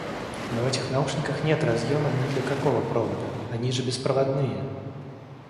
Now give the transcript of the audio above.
Но в этих наушниках нет разъёма ни для какого провода, они же беспроводные!